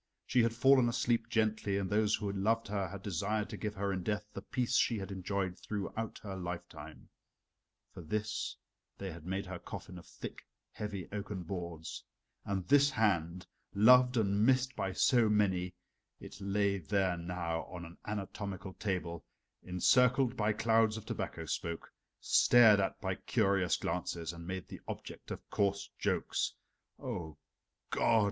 She had fallen asleep gently, and those who loved her had desired to give her in death the peace she had enjoyed throughout her lifetime. For this they had made her coffin of thick, heavy oaken boards. And this hand, loved and missed by so many it lay there now on an anatomical table, encircled by clouds of tobacco smoke, stared at by curious glances, and made the object of coarse jokes. O God!